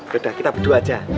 beda kita berdua aja